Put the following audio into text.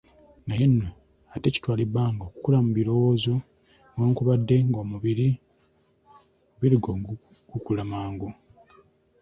Naye nno ate kitwala ebbanga okukula mu birowoozo, newankubadde ng'omubiri gwo gukula mangu.